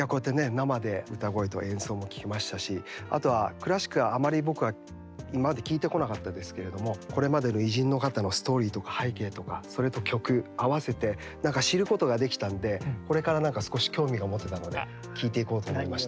生で歌声と演奏も聴けましたしあとはクラシックあまり僕は今まで聴いてこなかったですけれどもこれまでの偉人の方のストーリーとか背景とかそれと曲あわせて知ることができたんでこれからなんか少し興味が持てたので聴いていこうと思いました。